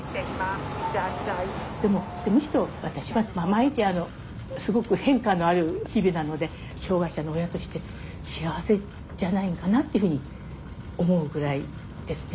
でもむしろ私は毎日すごく変化のある日々なので障害者の親として幸せじゃないのかなっていうふうに思うぐらいですね。